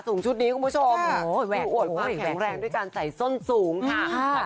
สุ่งชุดนี้คุณผู้ชมปุ๊กโหยดความแข็งแรงด้วยการส่ายส้นสูงค่ะ